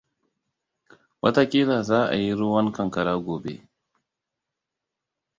Wata kila za a yi ruwan kankara goɓe.